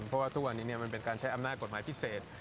เพราะว่าทุกวันนี้มันเป็นการใช้อำนาจกฎหมายพิเศษ